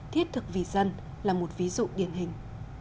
thiết thực vì dân là một ví dụ điển hình